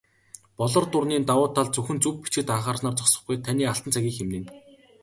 "Болор дуран"-ийн давуу тал зөвхөн зөв бичихэд анхаарснаар зогсохгүй, таны алтан цагийг хэмнэнэ.